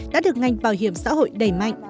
đã được ngành bảo hiểm xã hội đầy mạnh